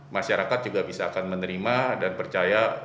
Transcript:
masyarakat juga bisa akan menerima dan percaya